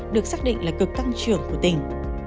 được xác định là cực tăng trưởng của tỉnh